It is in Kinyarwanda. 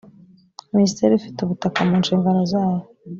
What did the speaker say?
minisiteri ifite ubutaka mu nshingano zayo